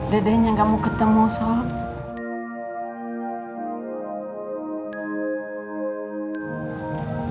dedenya gak mau ketemu sob